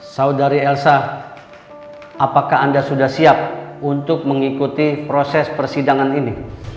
saudari elsa apakah anda sudah siap untuk mengikuti proses persidangan ini